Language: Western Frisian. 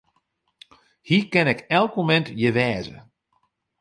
Hy kin ek elk momint hjir wêze.